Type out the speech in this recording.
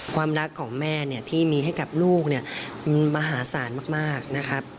ความรักของแม่เนี่ยที่มีให้กับลูกเนี่ยมันมหาศาลมากนะครับ